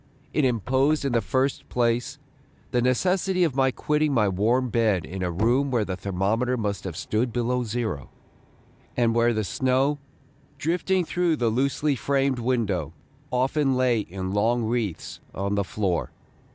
It imposed in the first place the necessity of my quitting my warm bed in a room where the thermometer must have stood below zero, and where the snow, drifting through the loosely framed window, often lay in long wreaths on the floor..